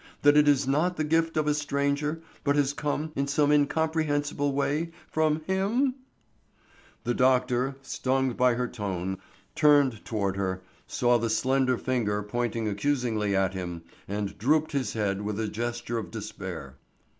That it is not the gift of a stranger, but has come, in some incomprehensible way, from him?" The doctor, stung by her tone, turned toward her, saw the slender finger pointing accusingly at him, and drooped his head with a gesture of despair.